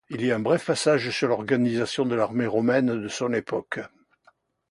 Il y a un bref passage sur l'organisation de l'armée romaine de son époque.